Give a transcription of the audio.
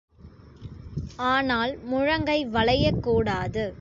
ஆனால் முழங்கை வளையக் கூடாது.